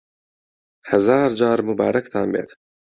هەزار جار موبارەکتان بێت